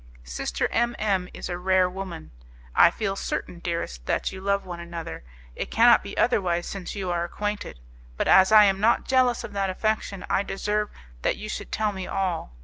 Sister M M is a rare woman. I feel certain, dearest, that you love one another; it cannot be otherwise since you are acquainted; but as I am not jealous of that affection, I deserve that you should tell me all.